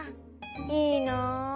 いいな。